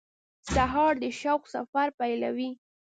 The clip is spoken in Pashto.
سهار د شوق سفر پیلوي.